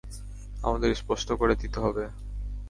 আমাদের স্পষ্ট করে দিতে হবে।